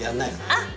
あっ。